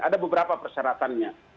ada beberapa persyaratannya